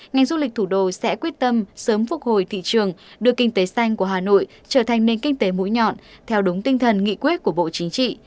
ngành du lịch thủ đô sẽ quyết tâm sớm phục hồi thị trường đưa kinh tế xanh của hà nội trở thành nền kinh tế mũi nhọn theo đúng tinh thần nghị quyết của bộ chính trị